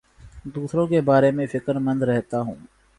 دوسروں کے بارے میں فکر مند رہتا ہوں